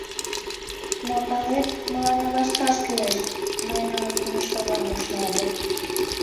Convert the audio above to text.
— Но палет, мыланна вашкаш кӱлеш, мыйын але кӱмыж-совла мушмо огыл.